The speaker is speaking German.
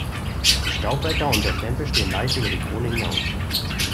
Die Staubblätter und der Stempel stehen leicht über die Krone hinaus.